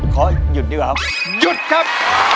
ขอหยุดดีกว่าครับหยุดครับ